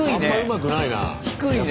低いね。